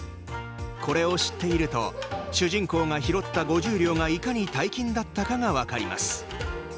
これを知っていると主人公が拾った５０両がいかに大金だったかが分かります。